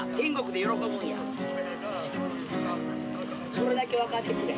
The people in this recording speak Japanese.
それだけ分かってくれ。